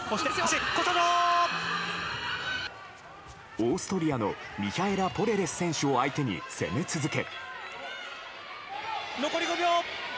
オーストリアのミヒャエラ・ポレレス選手を相手に、攻め続け。